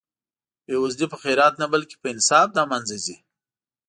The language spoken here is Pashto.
بې وزلي په خیرات نه بلکې په انصاف له منځه ځي.